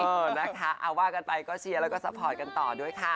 เออนะคะเอาว่ากันไปก็เชียร์แล้วก็ซัพพอร์ตกันต่อด้วยค่ะ